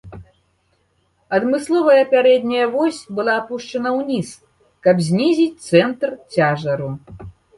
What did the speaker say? Адмысловая пярэдняя вось была апушчана ўніз, каб знізіць цэнтр цяжару.